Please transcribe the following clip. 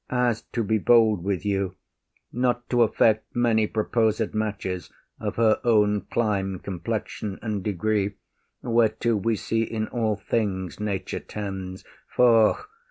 As, to be bold with you, Not to affect many proposed matches, Of her own clime, complexion, and degree, Whereto we see in all things nature tends; Foh!